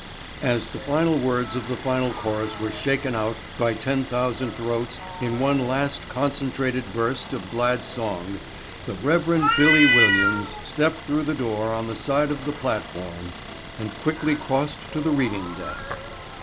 As the final words of the final chorus were shaken out by ten thousand throats in one last concentrated burst of glad song the Rev. "Billy" Williams stepped through a door on the side of the platform and quickly crossed to the reading desk.